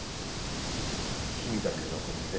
君だけ残って。